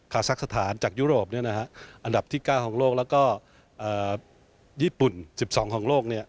ซักสถานจากยุโรปอันดับที่๙ของโลกแล้วก็ญี่ปุ่น๑๒ของโลก